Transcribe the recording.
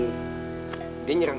pasti ada abang